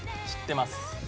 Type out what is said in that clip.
知ってます。